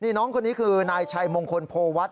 นี่น้องคนนี้คือนายชัยมงคลโพวัฒน